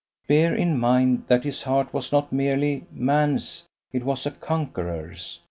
Bear in mind that his heart was not merely man's, it was a conqueror's.